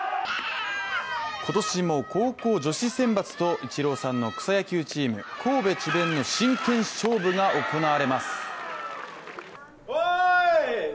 今年も高校女子選抜とイチローさんの草野球チーム、ＫＯＢＥＣＨＩＢＥＮの真剣勝負が行われます。